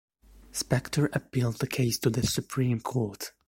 Spector appealed the case to the Supreme Court.